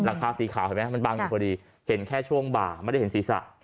หลังคาซีขาวเห็นมั้ยมันบังดีค่ะเห็นแค่ช่วงบ่าไม่ได้เห็นศีรษะค่ะ